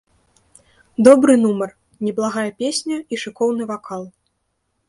Добры нумар, неблагая песня і шыкоўны вакал.